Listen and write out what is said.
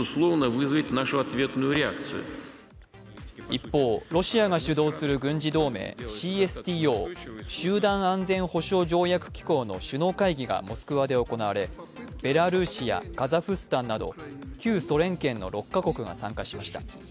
一方、ロシアが主導する軍事同盟、ＣＳＴＯ＝集団安全保障条約機構の首脳会議がモスクワで行われ、ベラルーシやカザフスタンなど旧ソ連圏の６か国が参加しました。